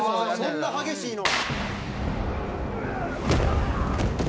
そんな激しいの？